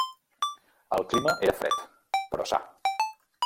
El clima era fred, però sa.